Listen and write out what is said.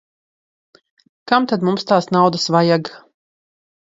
Kam tad mums tās naudas vajag.